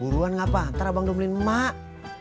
buruan ngapa ntar abang do dibeliin emak